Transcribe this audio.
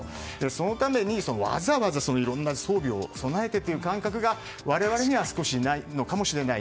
そのために、わざわざいろんな装備を備えてという感覚が我々には少しないのかもしれない。